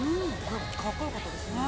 ◆かっこよかったですね。